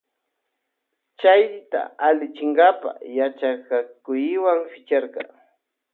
Chayta allichinkapa yachakka cuywan picharka.